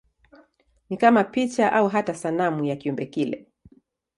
Ni kama picha au hata sanamu ya kiumbe kile.